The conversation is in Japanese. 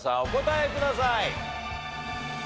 お答えください。